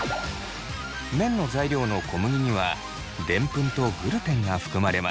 麺の材料の小麦にはデンプンとグルテンが含まれます。